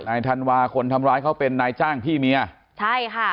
ธันวาคนทำร้ายเขาเป็นนายจ้างพี่เมียใช่ค่ะ